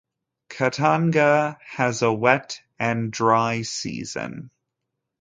Katanga has a wet and dry season.